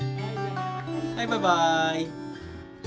バイバーイ。